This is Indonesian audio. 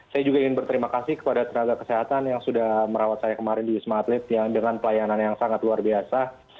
saya juga ingin berterima kasih kepada tenaga kesehatan yang sudah merawat saya kemarin di wisma atlet yang dengan pelayanan yang sangat luar biasa